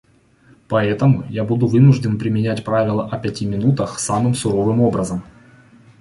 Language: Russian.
Поэтому я буду вынужден применять правило о пяти минутах самым суровым образом.